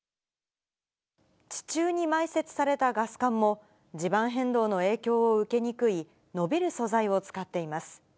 地中に埋設されたガス管も、地盤変動の影響を受けにくい、伸びる素材を使っています。